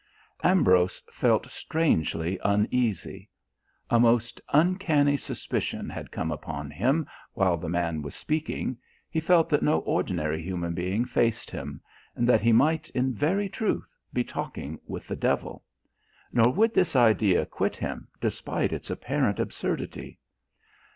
Ambrose felt strangely uneasy. A most uncanny suspicion had come upon him while the man was speaking. He felt that no ordinary human being faced him, and that he might in very truth be talking with the devil. Nor would this idea quit him despite its apparent absurdity.